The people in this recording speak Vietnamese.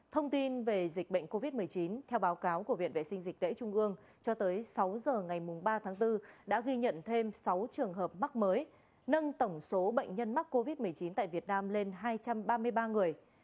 thông tin về dịch bệnh covid một mươi chín theo báo cáo của viện vệ sinh dịch tễ trung ương cho tới sáu h ngày ba tháng bốn đã ghi nhận thêm sáu trường hợp mắc mới nâng tổng số bệnh nhân mắc covid một mươi chín tại việt nam lên hai trăm ba mươi ba người